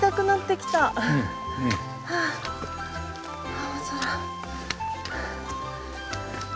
青空。